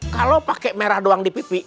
kalau pakai merah doang di pipi